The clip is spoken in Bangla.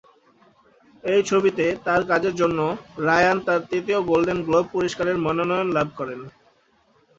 এই ছবিতে তার কাজের জন্য রায়ান তার তৃতীয় গোল্ডেন গ্লোব পুরস্কারের মনোনয়ন লাভ করেন।